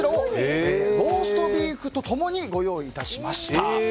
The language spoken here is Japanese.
ローストビーフと共にご用意しました。